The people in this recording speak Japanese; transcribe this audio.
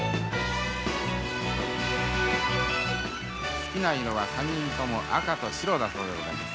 好きな色は３人とも赤と白だそうでございます。